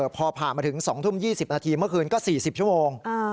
พอผ่านมาถึง๒ทุ่ม๒๐นาทีเมื่อคืนก็๔๐ชั่วโมง